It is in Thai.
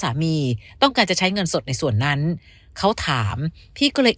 สามีต้องการจะใช้เงินสดในส่วนนั้นเขาถามพี่ก็เลย